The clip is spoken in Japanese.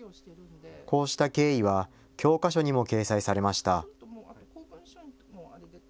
こうした経緯は教科書にも掲載されました。